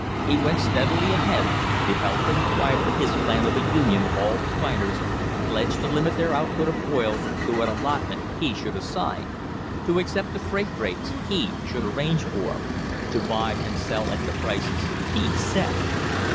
He went steadily ahead, developing quietly his plan of a union of all refiners, pledged to limit their output of oil to an allotment he should assign, to accept the freight rates he should arrange for, to THE HISTORY OF THE STANDARD OIL COMPANY buy and sell at the prices he set.